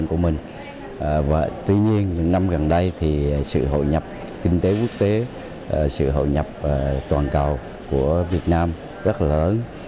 ngày hôm gần đây thì sự hội nhập kinh tế quốc tế sự hội nhập toàn cầu của việt nam rất lớn